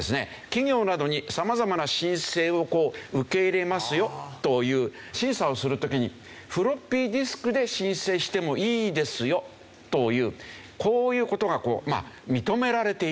企業などに様々な申請を受け入れますよという審査をする時にフロッピーディスクで申請してもいいですよというこういう事が認められているという事でね。